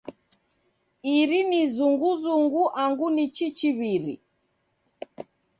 Iri ni zunguzungu angu ni chichiw'iri?